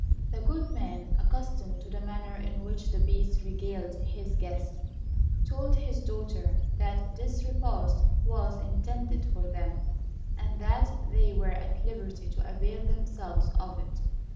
The good man, accustomed to the manner in which the Beast regaled his guests, told his daughter that this repast was intended for them, and that they were at liberty to avail themselves of it.